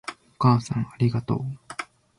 お母さんありがとう